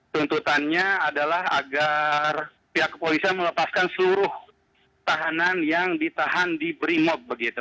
tuntutannya adalah agar pihak kepolisian melepaskan seluruh tahanan yang ditahan di brimob begitu